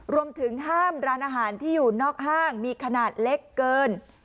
รวมถึงห้ามร้านอาหารที่อยู่นอกห้างมีขนาดเล็กเกิน